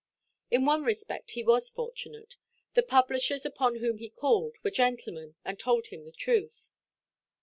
In one respect he was fortunate. The publishers upon whom he called were gentlemen, and told him the truth.